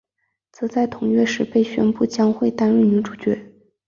则在同月时被宣布将会担任女主角。